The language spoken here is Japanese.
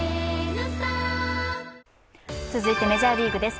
続いてメジャーリーグです